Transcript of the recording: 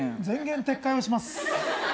前言撤回をします。